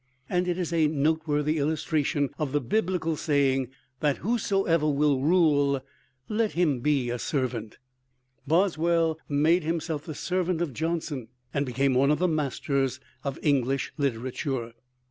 And it is a noteworthy illustration of the biblical saying that whosoever will rule, let him be a servant. Boswell made himself the servant of Johnson, and became one of the masters of English literature.